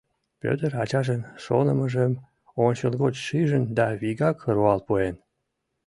Пӧтыр ачажын шонымыжым ончылгоч шижын да вигак руал пуэн: